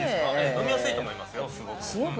飲みやすいと思いますよ、すごく。